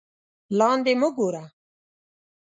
لاندې مه گوره